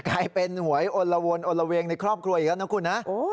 กลายเป็นหวยอลละวนอนละเวงในครอบครัวอีกแล้วนะคุณนะ